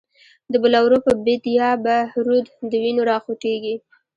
د بلورو په بید یا به، رود د وینو را خوټیږی